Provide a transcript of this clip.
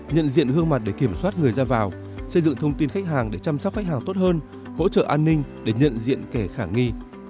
nhận diện gương mặt để kiểm soát người ra vào xây dựng thông tin khách hàng để chăm sóc khách hàng tốt hơn hỗ trợ an ninh để nhận diện kẻ khả nghi